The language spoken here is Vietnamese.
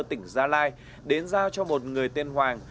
tỉnh gia lai đến giao cho một người tên hoàng